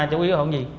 chú ý là không gì